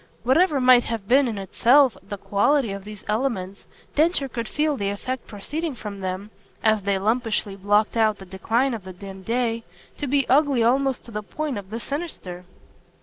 Whatever might have been in itself the quality of these elements Densher could feel the effect proceeding from them, as they lumpishly blocked out the decline of the dim day, to be ugly almost to the point of the sinister.